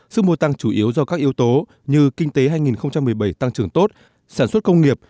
sức mua tăng chủ yếu do các yếu tố như kinh tế hai nghìn một mươi bảy tăng trưởng tốt sản xuất công nghiệp